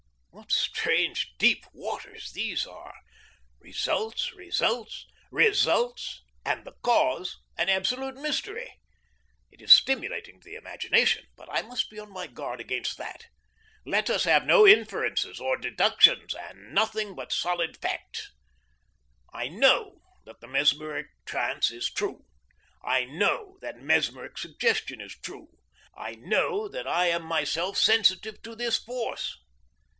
What strange, deep waters these are! Results, results, results and the cause an absolute mystery. It is stimulating to the imagination, but I must be on my guard against that. Let us have no inferences nor deductions, and nothing but solid facts. I KNOW that the mesmeric trance is true; I KNOW that mesmeric suggestion is true; I KNOW that I am myself sensitive to this force.